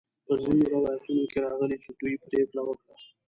په ځینو روایتونو کې راغلي چې دوی پریکړه وکړه.